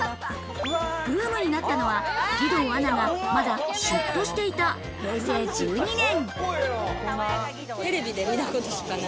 ブームになったのは、義堂アナが、まだシュッとしていた平成１２年。